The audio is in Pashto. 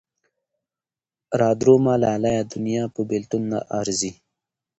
را درومه لالیه دونيا په بېلتون نه ارځي